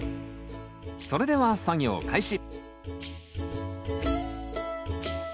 それでは作業開始！